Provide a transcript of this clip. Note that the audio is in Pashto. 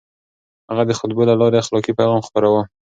هغه د خطبو له لارې اخلاقي پيغام خپراوه.